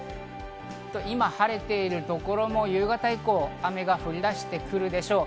今晴れている所も夕方以降、雨が降り出してくるでしょう。